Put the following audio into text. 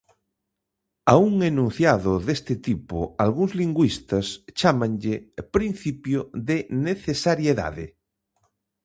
A un enunciado deste tipo algúns lingüistas chámanlle "principio de necesariedade".